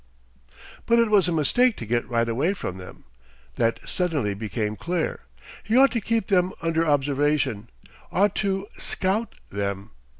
But it was a mistake to get right away from them. That suddenly became clear. He ought to keep them under observation, ought to "scout" them.